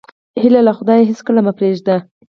هیله له خدایه هېڅکله مه پرېږده.